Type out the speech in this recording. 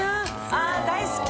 あっ大好き！